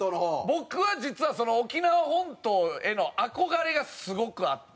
僕は実は沖縄本島への憧れがすごくあって。